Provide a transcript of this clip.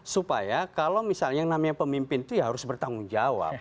supaya kalau misalnya yang namanya pemimpin itu ya harus bertanggung jawab